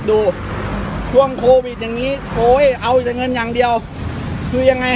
ดูช่วงโควิดอย่างงี้โอ้ยเอาแต่เงินอย่างเดียวคือยังไง